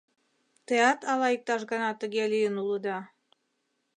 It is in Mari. Теат ала иктаж гана тыге лийын улыда?